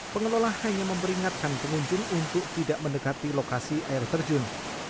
pengelola hanya memperingatkan pengunjung untuk tidak mendekati lokasi air terjun